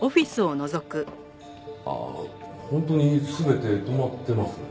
あっ本当に全て止まってますね。